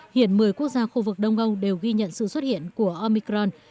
hiện một mươi quốc gia khu vực đông âu đều ghi nhận sự xuất hiện của omicron